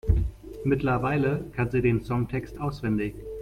Mittlerweile kann sie den Songtext auswendig.